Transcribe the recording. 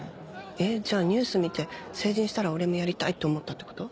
えっじゃあニュース見て「成人したら俺もやりたい」って思ったってこと？